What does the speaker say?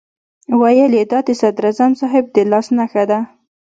ویل یې دا د صدراعظم صاحب د لاس نښه ده.